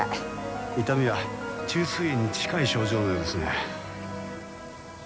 痛みは虫垂炎に近い症状のようですね。